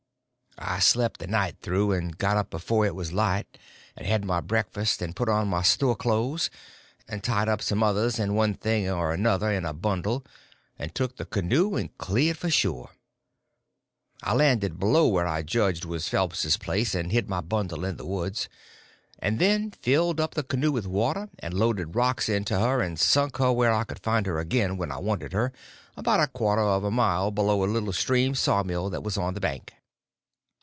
I slept the night through, and got up before it was light, and had my breakfast, and put on my store clothes, and tied up some others and one thing or another in a bundle, and took the canoe and cleared for shore. I landed below where I judged was Phelps's place, and hid my bundle in the woods, and then filled up the canoe with water, and loaded rocks into her and sunk her where I could find her again when I wanted her, about a quarter of a mile below a little steam sawmill that was on the bank.